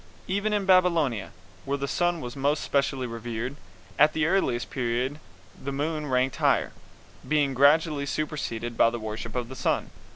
Even in Babylonia, where the sun was most specially revered, at the earliest period the moon ranked higher, being gradually superseded by the worship of the sun.